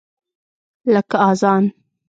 لکه اذان !